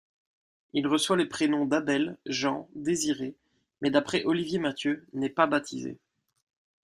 Il reçoit les prénoms d'Abel, Jean, Désiré, mais d'après Olivier Mathieu, n'est pas baptisé.